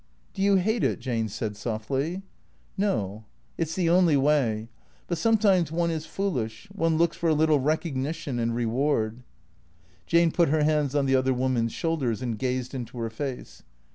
" Do you hate it ?" Jane said softly. " No. It 's the only way. But sometimes one is foolish — one looks for a little recognition and reward " Jane put her hands on the other woman's shoulders and gazed into her face.